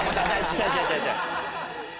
違う違う違う違う。